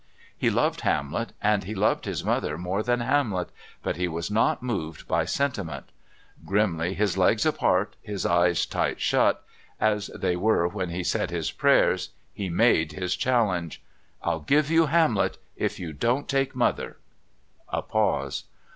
He loved Hamlet, and he loved his mother more than Hamlet; but he was not moved by sentiment. Grimly, his legs apart, his eyes shut tight, as they were when he said his prayers, he made his challenge. "I'll give you Hamlet if you don't take Mother " A pause.